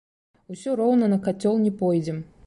Усё роўна на кацёл не пойдзем!